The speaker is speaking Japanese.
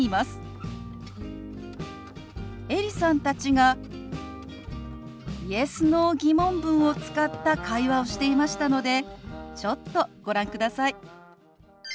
エリさんたちがＹｅｓ／Ｎｏ−疑問文を使った会話をしていましたのでちょっとご覧ください。